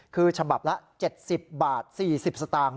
คือฉบับละ๗๐บาท๔๐สตางค์